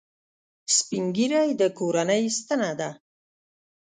سپین ږیری د کورنۍ ستنه ده